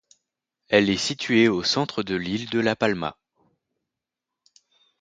Elle est située au centre de l'île de La Palma.